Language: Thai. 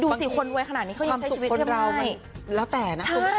ดูสิคนรวยขนาดนี้เขายังใช้ชีวิตเรียบง่าย